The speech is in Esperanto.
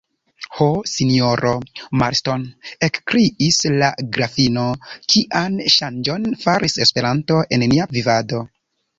Ho, sinjoro Marston, ekkriis la grafino, kian ŝanĝon faris Esperanto en nia vivado!